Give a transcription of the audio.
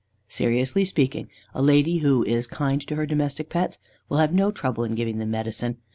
Seriously speaking, a lady who is kind to her domestic pets will have no trouble in giving them medicine.